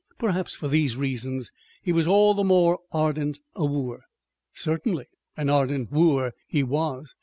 Perhaps, for these reasons, he was all the more ardent a wooer. Certainly an ardent wooer he was.